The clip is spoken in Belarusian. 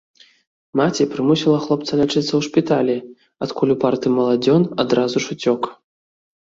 Маці прымусіла хлопца лячыцца ў шпіталі, адкуль упарты маладзён адразу ж уцёк.